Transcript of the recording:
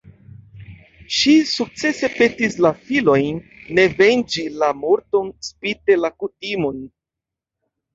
Ŝi sukcese petis la filojn ne venĝi la morton spite la kutimon.